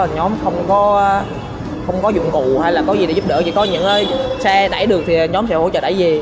nhóm không có dụng cụ hay là có gì để giúp đỡ chỉ có những xe đẩy được thì nhóm sẽ hỗ trợ đẩy gì